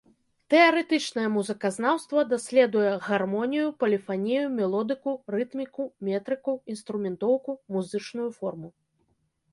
Тэарэтычнае музыказнаўства даследуе гармонію, поліфанію, мелодыку, рытміку, метрыку, інструментоўку, музычную форму.